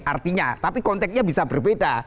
artinya tapi konteknya bisa berbeda